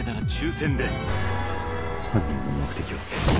犯人の目的は。